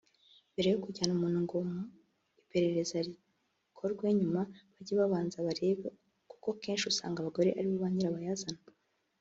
Mbere yo kujyana umuntu ngo iperereza rizakorwe nyuma bajye babanza barebe kuko akenshi usanga abagore aribo ba nyirabayazana”